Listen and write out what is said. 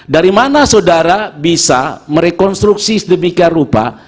dari mana saudara bisa merekonstruksi sedemikian rupa